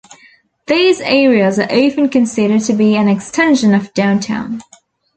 These areas are often considered to be an extension of downtown.